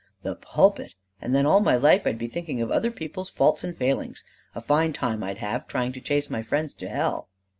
"The pulpit! And then all my life I'd be thinking of other people's faults and failings. A fine time I'd have, trying to chase my friends to hell."